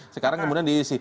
sekarang kemudian diisi